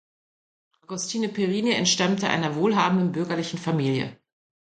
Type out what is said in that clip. Agostino Perini entstammte einer wohlhabenden bürgerlichen Familie.